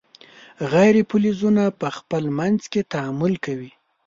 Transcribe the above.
غیر فلزونه په خپل منځ کې تعامل کوي.